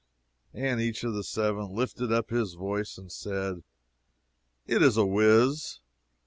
And each of the seven lifted up his voice and said, It is a whiz.